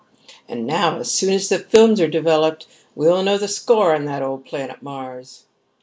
And now, as soon as the films are developed, we'll know the score on that old planet Mars."